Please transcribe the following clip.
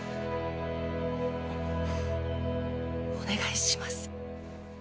お願いします。